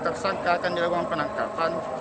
tersangka akan dianggap penangkapan